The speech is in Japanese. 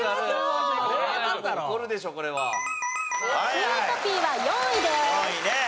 スイートピーは４位です。